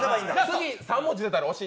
次、３文字出たら押し。